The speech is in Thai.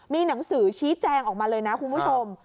มีหนังสือชี้แจงออกมาเลยนะคุณผู้ชม